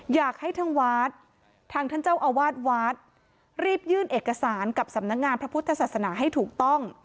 อยากให้ทางวัดทางท่านเจ้าอาวาสวัดรีบยื่นเอกสารกับสำนักงานพระพุทธศาสนาให้ถูกต้อง